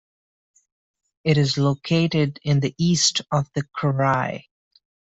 It is located in the east of the krai.